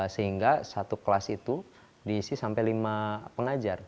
sehingga satu kelas itu diisi sampai lima pengajar